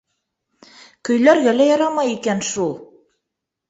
Көйләргә лә ярамай икән шул.